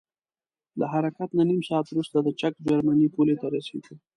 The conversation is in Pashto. له حرکت نه نیم ساعت وروسته د چک جرمني پولې ته رسیږو.